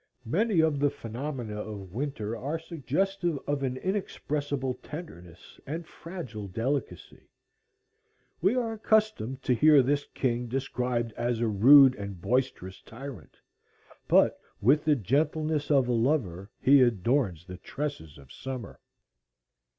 Many of the phenomena of Winter are suggestive of an inexpressible tenderness and fragile delicacy. We are accustomed to hear this king described as a rude and boisterous tyrant; but with the gentleness of a lover he adorns the tresses of Summer.